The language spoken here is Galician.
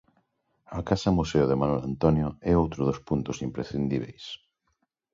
A Casa Museo de Manuel Antonio é outro dos puntos imprescindíbeis.